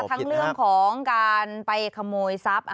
ทั้งเรื่องของการไปขโมยทรัพย์